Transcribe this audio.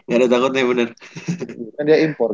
gak ada takut nih bener